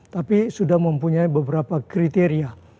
tapi sudah mempunyai beberapa kriteria